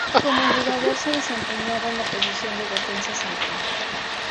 Como jugador se desempeñaba en la posición de defensa central.